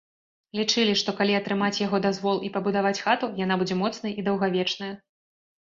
Лічылі, што, калі атрымаць яго дазвол і пабудаваць хату, яна будзе моцнай і даўгавечная.